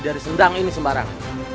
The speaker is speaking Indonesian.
dari sendang ini semarang